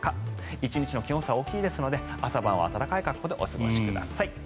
１日の気温差が大きいですので朝晩は暖かい格好でお過ごしください。